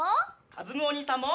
かずむおにいさんも！